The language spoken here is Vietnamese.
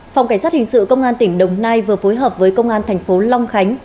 phòng cảnh sát hình sự công an tỉnh đồng nai vừa phối hợp với công an thành phố long khánh